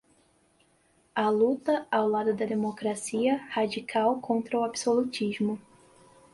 a luta ao lado da democracia radical contra o absolutismo